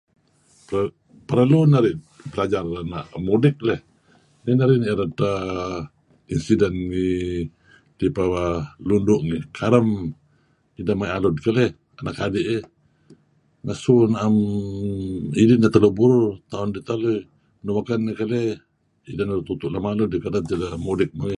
Perlu narih belajar mudik leh. Nier-nier edteh ngi pipeh Lundu' ngih karam idh lem alud keleh anak-adi' iih ngesu naem idih teh teluh. Taon ditaluh. Ideh nuk baken nuk tutu' alud keren tidh mudik.